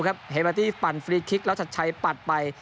เฮฟเมอร์ตี้ปั่นฟรีคลิกแล้วชัดใช้ปัดไป